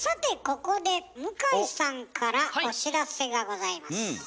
ここで向井さんからお知らせがございます。